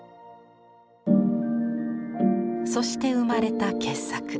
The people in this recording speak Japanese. そして生まれた傑作。